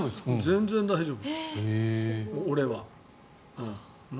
全然大丈夫。